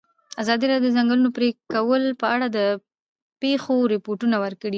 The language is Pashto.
ازادي راډیو د د ځنګلونو پرېکول په اړه د پېښو رپوټونه ورکړي.